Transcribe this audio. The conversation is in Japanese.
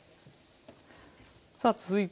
さあ続いて